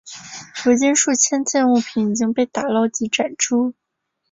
如今数千件物品已经被打捞及展出。